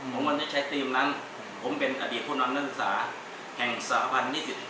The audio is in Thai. ผมมันจะใช้ธีมนั้นผมเป็นอดีตผู้นอนนักศึกษาแห่งสรรพันธุ์ที่๑๐